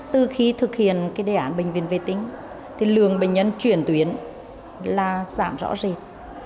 từ khi thực hiện đề án bệnh viện vệ tinh lường bệnh nhân chuyển tuyến là giảm rõ rệt